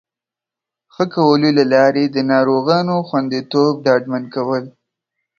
ښه کولو له لارې د ناروغانو خوندیتوب ډاډمن کول